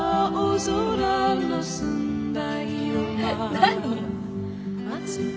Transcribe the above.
何？